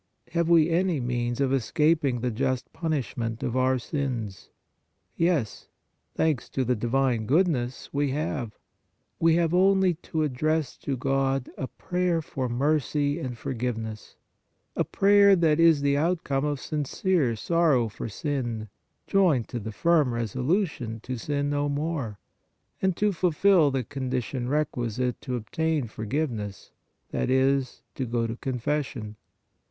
Have we any means of escaping the just punishment of our sins? Yes, thanks to the Divine Goodness, we have. We have only to address to God a prayer for mercy and for giveness, a prayer, that is the outcome of sincere sorrow for sin, joined to the firm resolution to sin no more, and to fulfil the condition requisite to obtain forgiveness, that is, to go to confession.